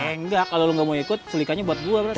enggak kalau lu gak mau ikut sulikanya buat gue berarti